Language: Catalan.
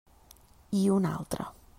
I un altre.